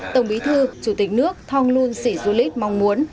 tổng bí thư chủ tịch nước thong lun sĩ xu lít mong muốn